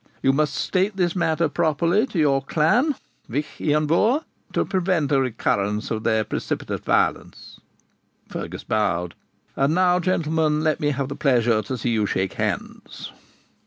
You must state this matter properly to your clan, Vich Ian Vohr, to prevent a recurrence of their precipitate violence.' Fergus bowed. 'And now, gentlemen, let me have the pleasure to see you shake hands.'